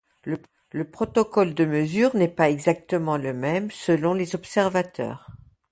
Le protocole de mesure n'est pas exactement le même selon les observateurs.